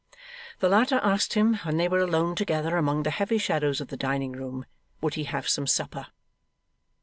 The latter asked him, when they were alone together among the heavy shadows of the dining room, would he have some supper?